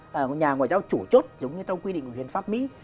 một nhà ngoại giao chủ chốt giống như trong quy định của huyền pháp mỹ